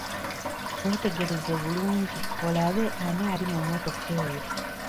Weetegereze bulungi olabe ani ali mu mmotoka eyo.